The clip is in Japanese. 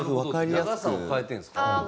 長さを変えてるんですか。